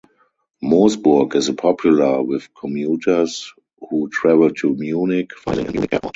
Moosburg is popular with commuters who travel to Munich, Freising, and Munich airport.